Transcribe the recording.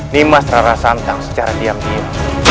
nimasarara santang secara diam diam